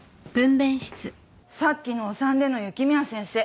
さっきのお産での雪宮先生